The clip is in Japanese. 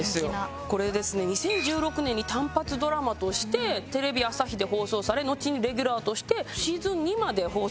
これですね２０１６年に単発ドラマとしてテレビ朝日で放送されのちにレギュラーとしてシーズン２まで放送されました。